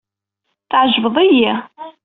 Tɛejbeḍ-iyi.